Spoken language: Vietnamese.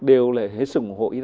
đều là hết sự ủng hộ